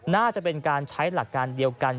น่าจะเป็นการใช้หลักการเดียวกัน